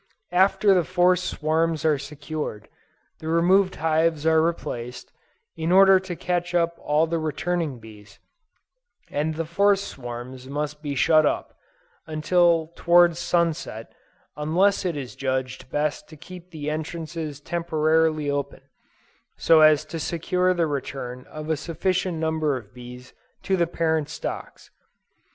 After the forced swarms are secured, the removed hives are replaced, in order to catch up all the returning bees, and the forced swarms must be shut up, until towards sunset; unless it is judged best to keep the entrances temporarily open, so as to secure the return of a sufficient number of bees to the parent stocks.